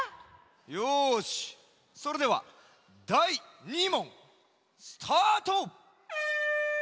よしそれではだい２もんスタート！